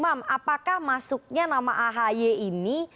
mas umar apakah masuknya nama ahy ini